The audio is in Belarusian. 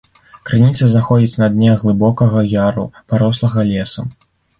Крыніца знаходзіцца на дне глыбокага яру, парослага лесам.